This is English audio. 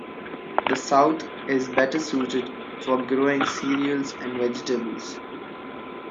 The South is better suited for growing cereals and vegetables.